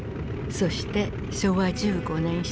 そして昭和１５年７月。